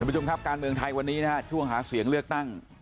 ผู้ชมครับการเมืองไทยวันนี้นะฮะช่วงหาเสียงเลือกตั้ง